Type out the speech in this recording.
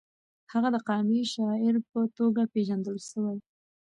هغه د قامي شاعر په توګه پېژندل شوی.